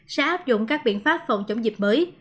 sẽ áp dụng các biện pháp phòng chống dịch mới